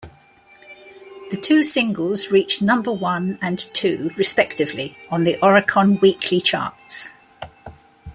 The two singles reached number one and two respectively on the Oricon Weekly Charts.